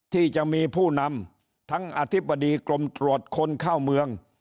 ที่จะมีผู้นำทั้งอธิบดีกรมตรวจคนเข้าเมือง